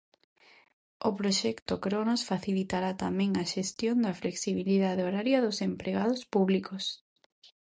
O proxecto Kronos facilitará tamén a xestión da flexibilidade horaria dos empregados públicos.